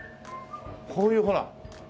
こういうほら。